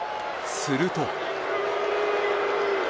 すると。